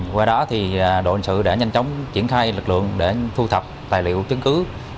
qua đó thì đội hình sự đã nhanh chóng triển khai lực lượng để thu thập tài liệu chứng cứ